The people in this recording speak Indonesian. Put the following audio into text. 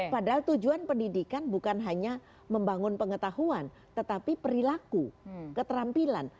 padahal tujuan pendidikan bukan hanya membangun pengetahuan tetapi perilaku keterampilan